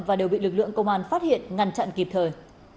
và đều bị lực lượng công an phát hiện ngăn chặn kịp thời